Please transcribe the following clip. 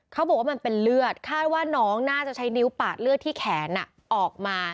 เขาบอกว่ามันเป็นเลือดคาดว่าน้องน่าจะใช้นิ้วปาดเลือดที่แขนออกมา